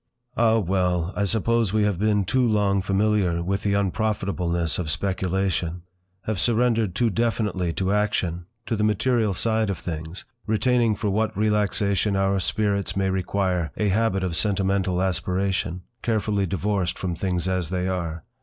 Ah! well! I suppose we have been too long familiar with the unprofitableness of speculation, have surrendered too definitely to action—to the material side of things, retaining for what relaxation our spirits may require, a habit of sentimental aspiration, carefully divorced from things as they are.